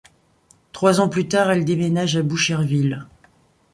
Trois ans plus tard, elle déménage à Boucherville.